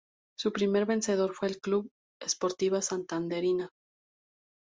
Su primer vencedor fue el club Sportiva Santanderina.